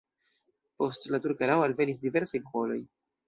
Post la turka erao alvenis diversaj popoloj.